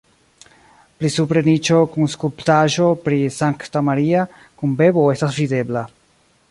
Pli supre niĉo kun skulptaĵo pri Sankta Maria kun bebo estas videbla.